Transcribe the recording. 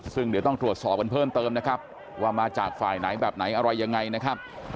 ซึ่งเดี๋ยวต้องตรวจสอบกันเพิ่มเติมนะครับว่ามาจากฝ่ายไหนแบบไหนอะไรยังไงนะครับ